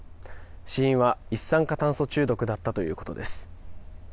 死因は一酸化炭素中毒だったということです。